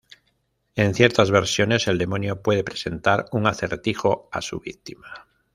En ciertas versiones, el demonio puede presentar un acertijo a su víctima.